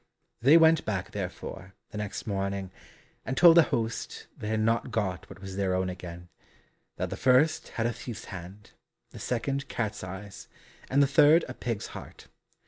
They went back therefore, the next morning, and told the host they had not got what was their own again; that the first had a thief's hand, the second cat's eyes, and the third a pig's heart.